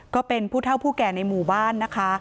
ก็เป็นผู้เท่าผู้แก่ในหมู่บ้านนะคะ